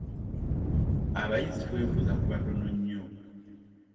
Abayizi twebuuza ku batono nnyo.